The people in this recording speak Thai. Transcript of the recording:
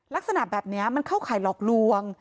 ลักษณะแบบนี้มันเข้าข่ายหลอกลวง